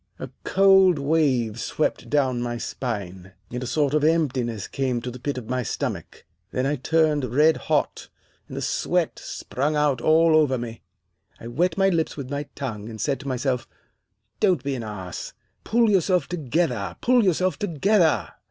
A cold wave swept down my spine, and a sort of emptiness came to the pit of my stomach. Then I turned red hot, and the sweat sprung out all over me. I wet my lips with my tongue, and said to myself, 'Don't be an ass. Pull yourself together, pull yourself together.